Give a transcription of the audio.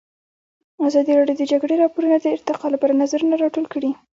ازادي راډیو د د جګړې راپورونه د ارتقا لپاره نظرونه راټول کړي.